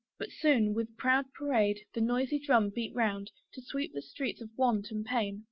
But soon, with proud parade, the noisy drum Beat round, to sweep the streets of want and pain.